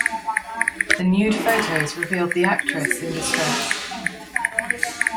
The nude photos revealed the actress in distress.